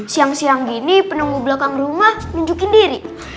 siang siang gini penunggu belakang rumah nunjukin diri